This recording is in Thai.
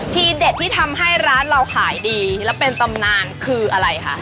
ทีเด็ดที่ทำให้ร้านเราขายดีและเป็นตำนานคืออะไรคะ